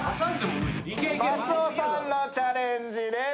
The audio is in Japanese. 松尾さんのチャレンジです。